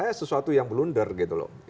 saya sesuatu yang blunder gitu loh